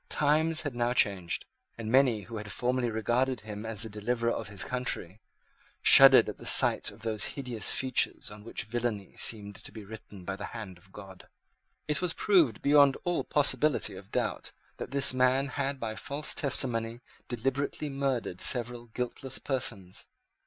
Times had now changed; and many, who had formerly regarded him as the deliverer of his country, shuddered at the sight of those hideous features on which villany seemed to be written by the hand of God. It was proved, beyond all possibility of doubt, that this man had by false testimony deliberately murdered several guiltless persons.